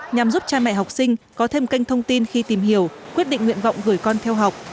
nhằm giúp trai mẹ học sinh có thêm kênh thông tin khi tìm hiểu quyết định nguyện vọng gửi con theo học